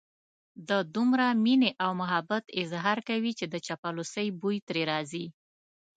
د دومره مينې او محبت اظهار کوي چې د چاپلوسۍ بوی ترې راځي.